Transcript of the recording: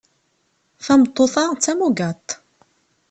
Tameṭṭut-a d tamugaḍt.